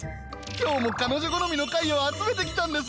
今日も彼女好みの貝を集めてきたんです。